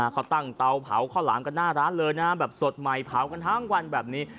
เขาตั้งเตาเผาข้าวหลามกันหน้าร้านเลยนะแบบสดใหม่เผากันทั้งวันแบบนี้